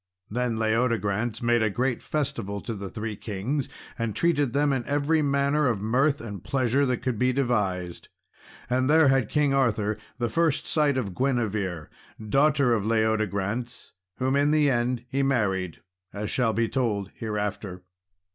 Then Leodegrance made a great festival to the three kings, and treated them with every manner of mirth and pleasure which could be devised. And there had King Arthur the first sight of Guinevere, daughter of Leodegrance, whom in the end he married, as shall be told hereafter.